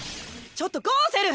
ちょっとゴウセル！